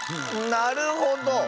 なるほど。